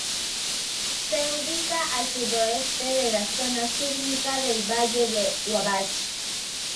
Se ubica al sudoeste de la Zona Sísmica del Valle de Wabash.